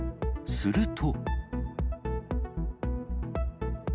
すると。